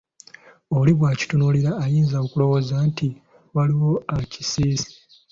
Oli bwakitunuulira ayinza okulowooza nti, waliwo akisiize.